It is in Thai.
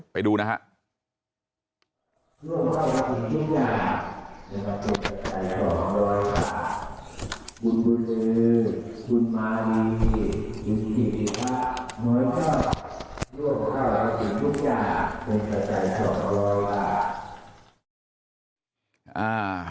ไปดูนะฮะ